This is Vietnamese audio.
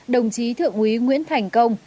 đồng chí thượng úy nguyễn thành công